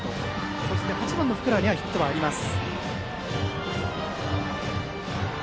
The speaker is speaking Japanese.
そして８番の福原にはヒットがあります。